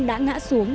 đã ngã xuống